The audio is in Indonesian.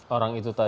orang itu tadi